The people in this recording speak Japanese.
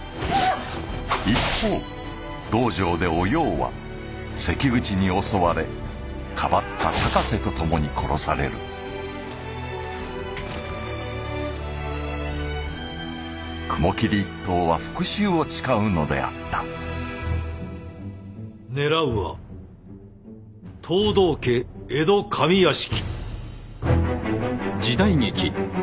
一方道場でおようは関口に襲われかばった高瀬と共に殺される雲霧一党は復讐を誓うのであった狙うは藤堂家江戸上屋敷。